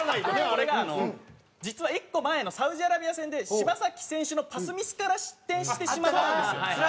これが実は１個前のサウジアラビア戦で柴崎選手のパスミスから失点してしまったんですよ。